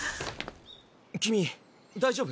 君大丈夫？